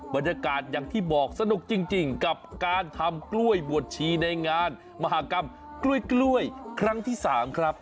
บรรยากาศอย่างที่บอกสนุกจริงกับการทำกล้วยบวชชีในงานมหากรรมกล้วยครั้งที่๓ครับ